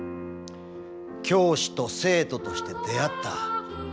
教師と生徒として出会った。